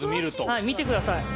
はい見て下さい。